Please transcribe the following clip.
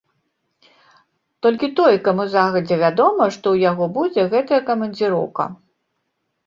Толькі той, каму загадзя вядома, што ў яго будзе гэтая камандзіроўка.